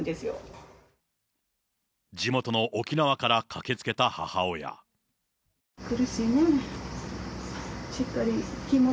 地元の沖縄から駆けつけた母苦しいね。